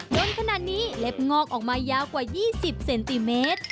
จนขนาดนี้เล็บงอกออกมายาวกว่า๒๐เซนติเมตร